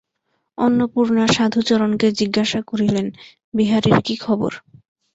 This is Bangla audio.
অন্নপূর্ণা সাধুচরণকে জিজ্ঞাসা করিলেন, বিহারীর কী খবর।